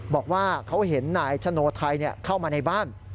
บอกว่าเขาเห็นนายชโนไทยเข้ามาในบ้าน